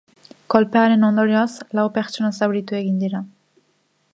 Kolpearen ondorioz, lau pertsona zauritu egin dira.